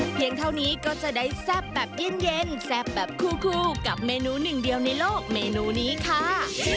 เท่านี้ก็จะได้แซ่บแบบเย็นแซ่บแบบคู่กับเมนูหนึ่งเดียวในโลกเมนูนี้ค่ะ